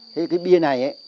thế cái bia này ấy